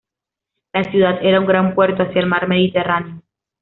La ciudad era un gran puerto hacia el mar Mediterráneo.